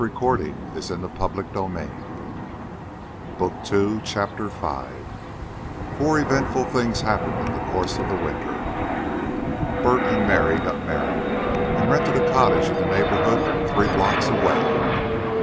The profit will more than provide material for your own." CHAPTER V Four eventful things happened in the course of the winter. Bert and Mary got married and rented a cottage in the neighborhood three blocks away.